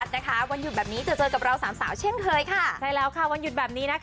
วันหยุดแบบนี้จะเจอกับเราสามสาวเช่นเคยค่ะใช่แล้วค่ะวันหยุดแบบนี้นะคะ